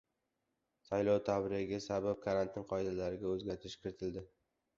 Saylov tadbirlari sabab karantin qoidalariga o‘zgartirish kiritildi